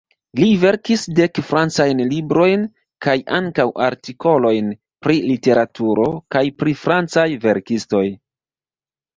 Li verkis dek francajn librojn kaj ankaŭ artikolojn pri literaturo kaj pri francaj verkistoj.